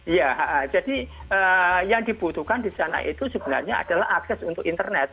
iya jadi yang dibutuhkan di sana itu sebenarnya adalah akses untuk internet